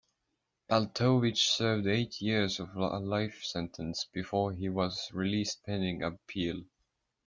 Baltovich served eight years of a life sentence before he was released pending appeal.